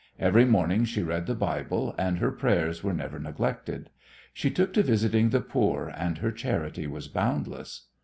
Every morning she read the Bible, and her prayers were never neglected. She took to visiting the poor and her charity was boundless.